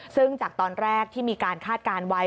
ซึ่งจากตอนแรกที่มีการคาดการณ์ไว้